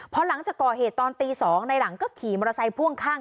พอหลังจากก่อเหตุตอนตี๒ในหลังก็ขี่มอเตอร์ไซค่วงข้าง